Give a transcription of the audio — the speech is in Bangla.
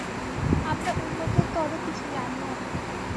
আমরা উন্নততর কিছু জানিও না।